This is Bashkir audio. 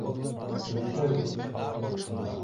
Әнисәү!